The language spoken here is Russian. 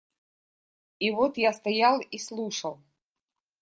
И вот я стоял и слушал.